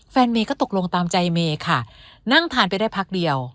เมย์ก็ตกลงตามใจเมย์ค่ะนั่งทานไปได้พักเดียว